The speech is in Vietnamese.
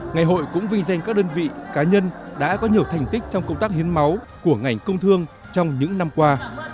ngày hội cũng vinh danh các đơn vị cá nhân đã có nhiều thành tích trong công tác hiến máu của ngành công thương trong những năm qua